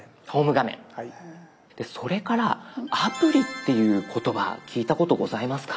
それから「アプリ」っていう言葉聞いたことございますか？